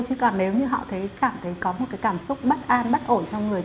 chứ còn nếu như họ thấy cảm thấy có một cái cảm xúc bất an bất ổn trong người